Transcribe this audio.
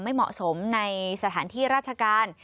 ไม่เหมาะสมในสถานที่ราชการ